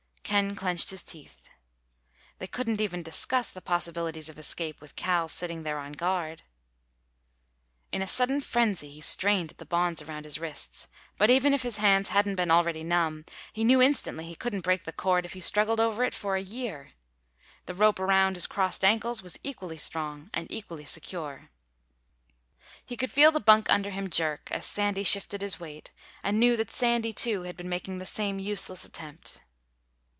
Ken clenched his teeth. They couldn't even discuss the possibilities of escape with Cal sitting there on guard. In a sudden frenzy he strained at the bonds around his wrists. But even if his hands hadn't been already numb, he knew instantly he couldn't break the cord if he struggled over it for a year. The rope around his crossed ankles was equally strong and equally secure. He could feel the bunk under him jerk as Sandy shifted his weight, and knew that Sandy too had been making the same useless attempt.